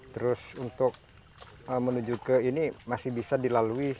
terus untuk menuju ke ini masih bisa dilalui